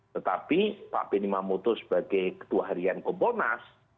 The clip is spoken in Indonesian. tetapi pak benny mamoto sebagai ketua harian komponas